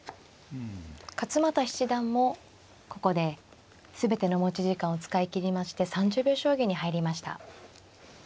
勝又七段もここで全ての持ち時間を使い切りまして３０秒将棋に入りました。